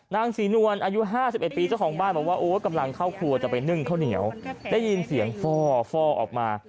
นางศรีนวลอายุ๕๑ปีเจ้าของบ้านบอกว่าโอ้กำลังเข้าครัวจะไปนึ่งข้าวเหนียวได้ยินเสียงฟ่อออกมา